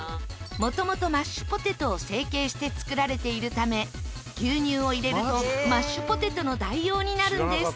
もともとマッシュポテトを成形して作られているため牛乳を入れるとマッシュポテトの代用になるんです。